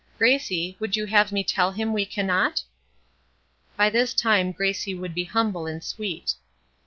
Gracie, would you have me tell Him we cannot?" By this time Gracie would be humble and sweet.